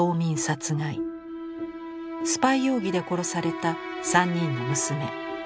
スパイ容疑で殺された３人の娘。